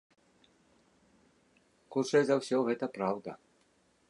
Хутчэй за ўсё, гэта праўда.